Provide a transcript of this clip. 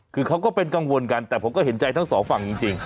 คือเขาก็เป็นกังวลกันแต่ผมก็เห็นใจทั้งสองฝั่งจริง